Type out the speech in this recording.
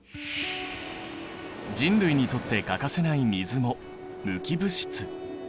人類にとって欠かせない水も無機物質。